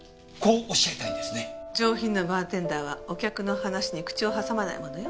上品なバーテンダーはお客の話に口を挟まないものよ。